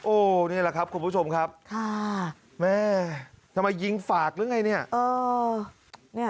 นี่แหละครับคุณผู้ชมครับค่ะแม่ทำไมยิงฝากหรือไงเนี่ย